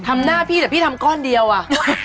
ทำหน้าพี่แต่พี่ทำก้อนเดียวอ่ะ